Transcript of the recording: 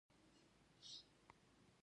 ګرده بدن يې زخمي وو.